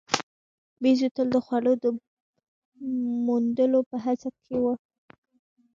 بیزو تل د خوړو د موندلو په هڅه کې وي.